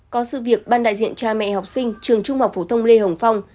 có sự việc ban đại diện cha mẹ học sinh trường trung học phổ thông lê hồng phong